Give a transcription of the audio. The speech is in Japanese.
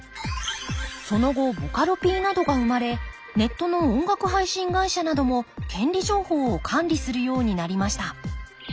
その後ボカロＰなどが生まれネットの音楽配信会社なども権利情報を管理するようになりました。